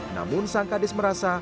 namun sang kandis merasa